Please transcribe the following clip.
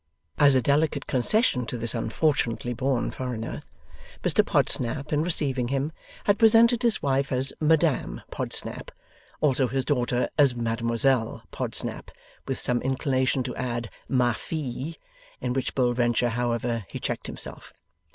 As a delicate concession to this unfortunately born foreigner, Mr Podsnap, in receiving him, had presented his wife as 'Madame Podsnap;' also his daughter as 'Mademoiselle Podsnap,' with some inclination to add 'ma fille,' in which bold venture, however, he checked himself.